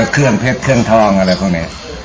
เครื่องเพชรเครื่องทองเนี่ย